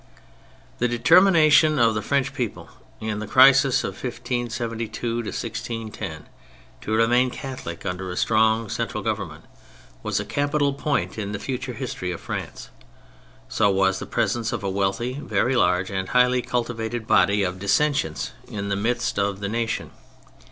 The determination of the French people, in the crisis of 1572 1610, to remain Catholic under a strong central Government, was a capital point in the future history of France. So was the presence of a wealthy, very large, and highly cultivated body of dissentients in the midst of the nation.